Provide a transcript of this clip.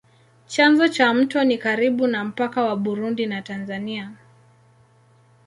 Chanzo cha mto ni karibu na mpaka wa Burundi na Tanzania.